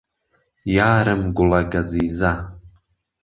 یارم گوڵه گهزیزه